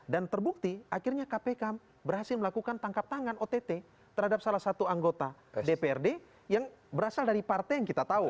dan terbukti akhirnya kpkm berhasil melakukan tangkap tangan ott terhadap salah satu anggota dprd yang berasal dari partai yang kita tahu